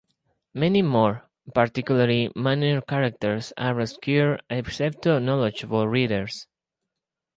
Many more, particularly minor characters, are obscure except to knowledgeable readers.